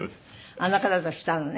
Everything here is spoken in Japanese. あの方としたのね。